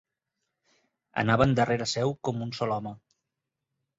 Anaven darrere seu com un sol home.